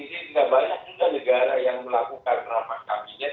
ini tidak banyak juga negara yang melakukan rapat kabinet